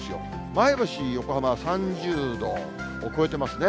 前橋、横浜３０度を超えてますね。